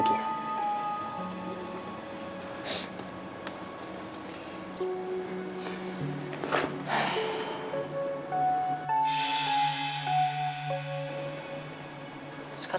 jangan open dalam update